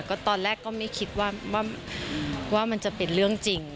ก็ตอนแรกก็ไม่คิดว่ามันจะเป็นเรื่องจริง